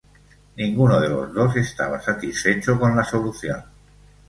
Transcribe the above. Ninguno de los dos estaba satisfecho con la solución.